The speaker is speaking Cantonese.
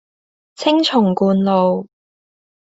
青松觀路